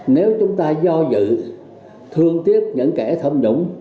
nếu chúng ta do dự thương tiếp những kẻ tham nhũng